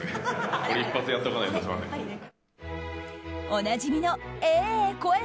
おなじみのええ